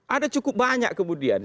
ada cukup banyak kemudian